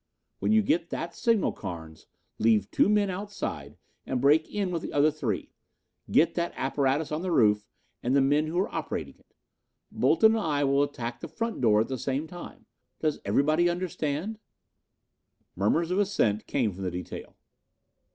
When you get that signal, Carnes, leave two men outside and break in with the other three. Get that apparatus on the roof and the men who are operating it. Bolton and I will attack the front door at the same time. Does everybody understand?" Murmurs of assent came from the detail.